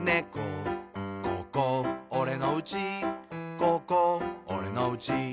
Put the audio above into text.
「ここ、おれのうちここ、おれのうち」